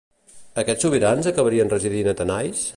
Aquests sobirans acabarien residint a Tanais?